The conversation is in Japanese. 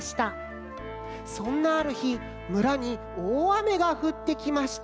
そんなあるひむらにおおあめがふってきました。